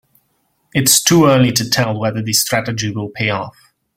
Its too early to tell whether the strategy will pay off.